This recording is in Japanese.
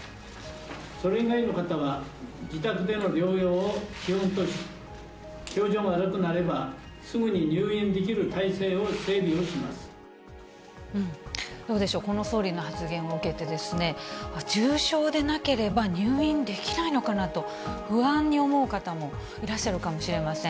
それ以外の方は、自宅での療養を基本とし、症状が悪くなれば、すぐに入院できる体どうでしょう、この総理の発言を受けて、重症でなければ入院できないのかなと不安に思う方もいらっしゃるかもしれません。